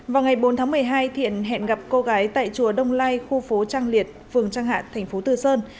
vào ngày bốn tháng một mươi hai thiện hẹn gặp cô gái tại chùa đông lai khu phố trăng liệt phường trăng hạn thành phố từ sơn